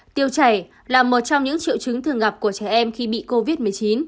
tiêu chảy là một trong những triệu chứng thường gặp của trẻ em khi bị covid một mươi chín